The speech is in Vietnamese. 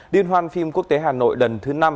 liên hoan phim quốc tế hà nội lần thứ năm